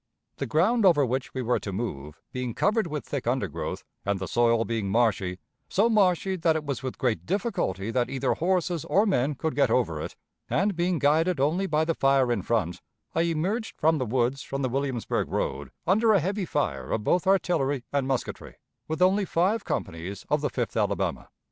... The ground over which we were to move being covered with thick undergrowth, and the soil being marshy so marshy that it was with great difficulty that either horses or men could get over it and being guided only by the fire in front, I emerged from the woods from the Williamsburg road under a heavy fire of both artillery and musketry, with only five companies of the Fifth Alabama."